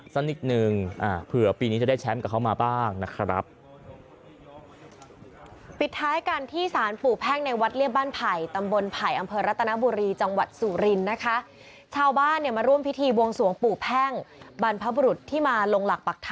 สักนิดนึงเผื่อปีนี้จะได้แชมป์กับเขามาบ้างนะครับ